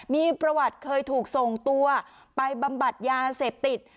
มีประวัติเคยถูกส่งตัวไปบำบัดยาเสพติด